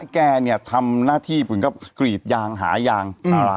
แก่ทำหน้าที่กรีดยางหายาง